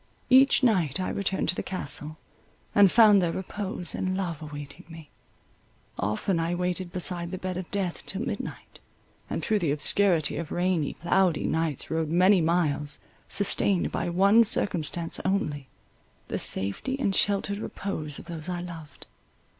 Each night I returned to the Castle, and found there repose and love awaiting me. Often I waited beside the bed of death till midnight, and through the obscurity of rainy, cloudy nights rode many miles, sustained by one circumstance only, the safety and sheltered repose of those I loved.